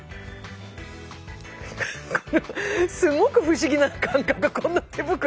これすごく不思議な感覚この手袋。